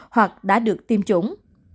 hoặc đã được tiêm chủng